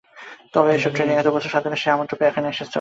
তার এতসব ট্রেনিং, এত বছর সাধনা, সে আমন্ত্রণ পেয়ে এখানে এসেছে।